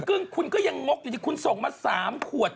กึ้งคุณก็ยังงกอยู่ที่คุณส่งมา๓ขวด